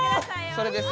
それです。